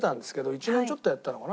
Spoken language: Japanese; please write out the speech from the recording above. １年ちょっとやってたのかな？